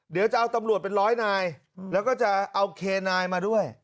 เดี๋ยวจะเอาตำรวจเป็นร้อยนายแล้วก็จะเอาเคนายมาด้วย